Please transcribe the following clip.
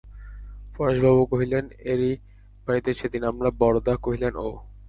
পরেশবাবু কহিলেন, এঁরই বাড়িতে সেদিন আমরা– বরদা কহিলেন, ওঃ!